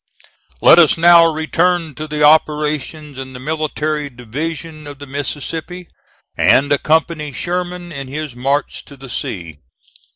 Let us now return to the operations in the military division of the Mississippi, and accompany Sherman in his march to the sea.